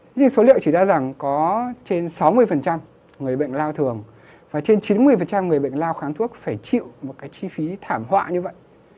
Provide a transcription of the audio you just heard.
như số liệu chỉ ra rằng có trên sáu mươi người bệnh lao thường và trên chín mươi người bệnh lao kháng thuốc phải chịu một cái chi phí thảm họa như vậy